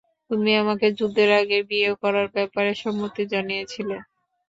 তুমি আমাকে যুদ্ধের আগেই বিয়ে করার ব্যাপারে সম্মতি জানিয়েছিলে।